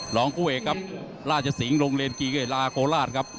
รองคู่เอกครับราชสิงห์โรงเรียนกีฬาโคราชครับ